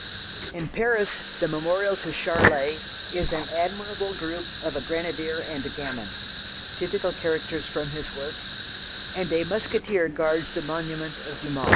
In Paris the memorial to Charlet is an admirable group of a grenadier and a gamin typical characters from his work, and a musketeer guards the monument of Dumas.